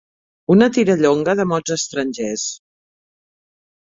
Una tirallonga de mots estrangers.